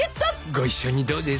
ご一緒にどうです？